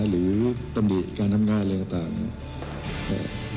หรือตำแหน่งการทำงานอะไรต่าง